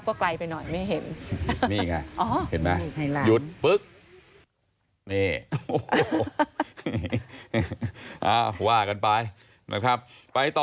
เขายืนยันแบบนี้